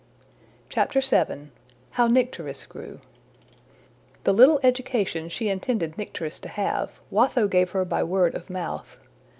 VII. How Nycteris Grew THE little education she intended Nycteris to have, Watho gave her by word of mouth.